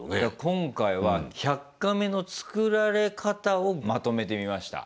今回は「１００カメ」の作られ方をまとめてみました。